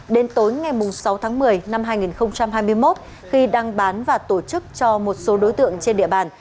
đến tối ngày sáu tháng một mươi năm hai nghìn hai mươi một khi đang bán và tổ chức cho một số đối tượng trên địa bàn